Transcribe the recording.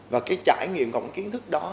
và cái trải nghiệm của một cái kiến thức đó